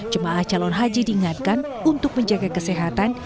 jemaah calon haji diingatkan untuk menjaga kesehatan